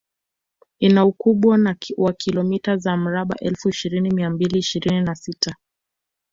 Ina ukubwa wa kilomita za mraba elfu ishirini mia mbili ishirini na sita